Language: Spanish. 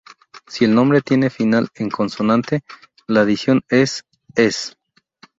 Si el nombre tiene final en consonante, la adición es "-es".